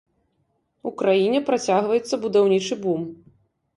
У краіне працягваецца будаўнічы бум.